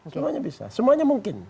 semuanya bisa semuanya mungkin